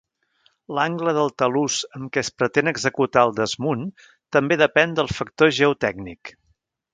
L'angle del talús amb què es pretén executar el desmunt també depèn del factor geotècnic.